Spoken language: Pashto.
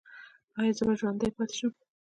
ایا زه به ژوندی پاتې شم؟